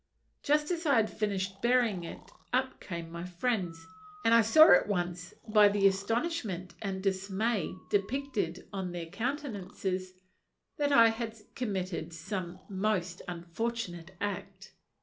Just as I had finished burying it up came my friends, and I saw at once, by the astonishment and dismay depicted on their countenances, that I had committed some most unfortunate act.